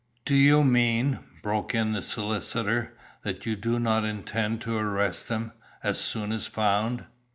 "Do you mean," broke in the solicitor, "that you do not intend to arrest him, as soon as found?"